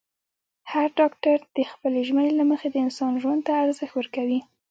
هر ډاکټر د خپلې ژمنې له مخې د انسان ژوند ته ارزښت ورکوي.